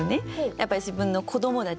やっぱり自分の子どもたちには。